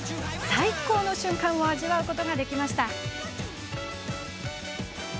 最高の瞬間を味わうことができました。